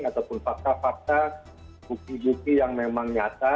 ataupun fakta fakta bukti bukti yang memang nyata